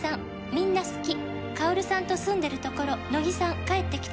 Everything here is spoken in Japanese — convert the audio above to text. みんな好き」「薫さんと住んでるところ乃木さん帰ってきたら」